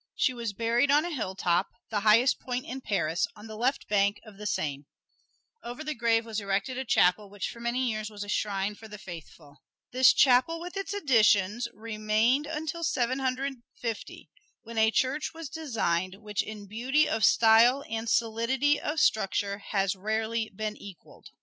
She was buried on a hilltop, the highest point in Paris, on the left bank of the Seine. Over the grave was erected a chapel which for many years was a shrine for the faithful. This chapel with its additions remained until Seventeen Hundred Fifty, when a church was designed which in beauty of style and solidity of structure has rarely been equaled.